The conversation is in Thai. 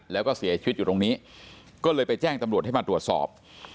แล้วก็เสียชีวิตอยู่ตรงนี้ก็เลยไปแจ้งตำรวจให้มาตรวจสอบ